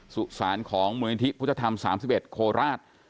สุสานของมูลนิธิพุทธธรรม๓๑โคราช